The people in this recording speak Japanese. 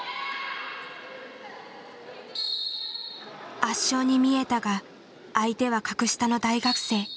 圧勝に見えたが相手は格下の大学生。